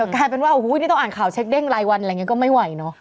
กลายเป็นว่าโอ้โหนี่ต้องอ่านข่าวเช็คเด้งรายวันอะไรอย่างนี้ก็ไม่ไหวเนอะ